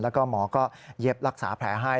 แล้วก็หมอก็เย็บรักษาแผลให้